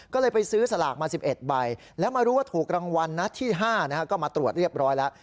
ก็เลยไปซื้อสลากมา๑๑ใบแล้วมารู้ว่าถูกรางวัลนัดที่๕ก็มาตรวจเรียบร้อยแล้ว